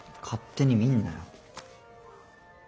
勝手に見んなよ。